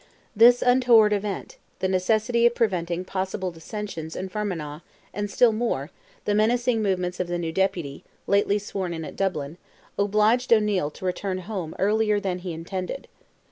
This untoward event, the necessity of preventing possible dissensions in Fermanagh, and still more, the menacing movements of the new Deputy, lately sworn in at Dublin, obliged O'Neil to return home earlier than he intended.